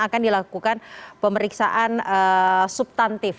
akan dilakukan pemeriksaan substantif